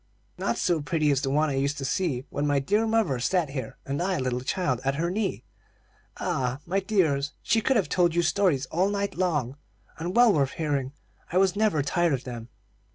"Not so pretty as the one I used to see when my dear mother sat here, and I, a little child, at her knee. Ah, my dears, she could have told you stories all night long, and well worth hearing. I was never tired of them."